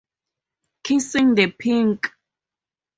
Kissing the Pink